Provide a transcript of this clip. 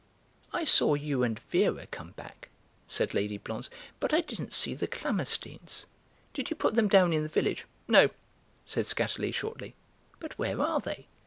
"I saw you and Vera come back," said Lady Blonze, "but I didn't see the Klammersteins. Did you put them down in the village?" "No," said Skatterly shortly. "But where are they?